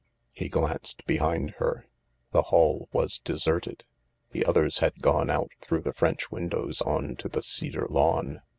He glanced behind her. The hall was deserted. The others had gone out through the French windows on to the cedar lawn.